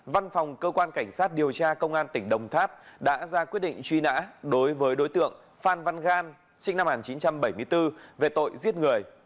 văn phòng cơ quan cảnh sát điều tra công an tỉnh đồng tháp đã ra quyết định truy nã đối với đối tượng phan văn gan sinh năm một nghìn chín trăm bảy mươi bốn về tội giết người